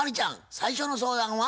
最初の相談は？